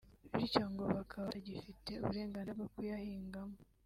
bityo ngo bakaba batagifite uburenganzira bwo kuyahingamo